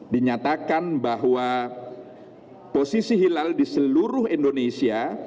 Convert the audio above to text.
dinyatakan bahwa posisi hilal di seluruh indonesia